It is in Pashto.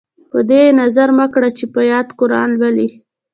په دې یې نظر مه کړه چې په یاد قران لولي.